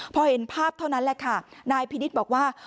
พอเห็นภาพเท่านั้นแหละค่ะนายพินิษฐ์บอกว่า